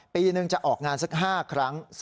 ปีหนึ่งจะออกงานสัก๕ครั้ง